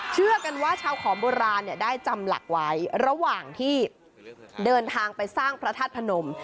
เชื่อกันว่าชาวขอมโบราณได้จำหลักไว้ระหว่างที่เดินทางไปสร้างพระธาตุพนม